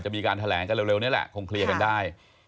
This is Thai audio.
มีการแถลงกันเร็วนี่แหละคงเคลียร์กันได้